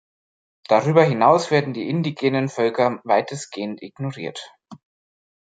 Darüber hinaus werden die indigenen Völker weitestgehend ignoriert.